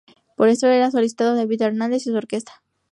Por esto era solicitado David Hernández y su Orquesta.